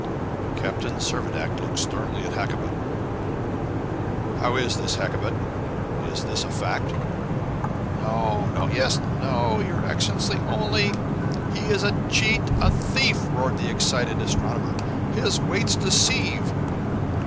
Captain Servadac looked sternly at Hakkabut. "How is this, Hakkabut? Is this a fact?" "No, no yes no, your Excellency, only " "He is a cheat, a thief!" roared the excited astronomer. "His weights deceive!"